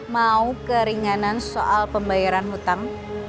mau keringanan soal pembayaran hutang